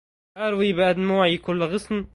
واروّي بأدمعي كلّ غصن